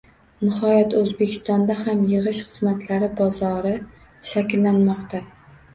Nihoyat, O'zbekistonda ham yig'ish xizmatlari bozori shakllanmoqda